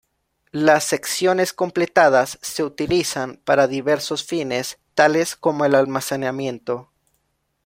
Las secciones completadas se utilizan para diversos fines, tales como el almacenamiento.